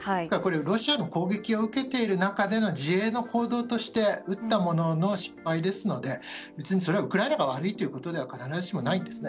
ロシアの攻撃を受けている中での自衛の行動として撃ったものの失敗ですのでそれはウクライナが悪いということでは必ずしもないんです。